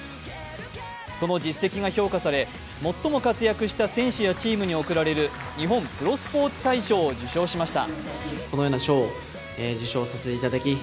その実績が評価され、最も活躍した選手やチームに贈られる日本プロスポーツ大賞を受賞しました。